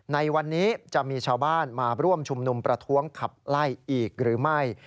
ในวันนี้จะมีชาวบ้านมาร่วมชุมนุมประท้วงขับไล่อีกหรือไม่